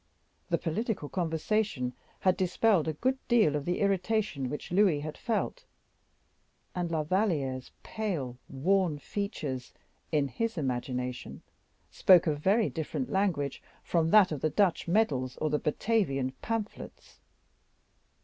The political conversation had dispelled a good deal of the irritation which Louis had felt, and La Valliere's pale, worn features, in his imagination, spoke a very different language from that of the Dutch medals, or the Batavian pamphlets.